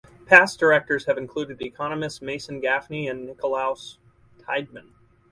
Past directors have included economists Mason Gaffney and Nicolaus Tideman.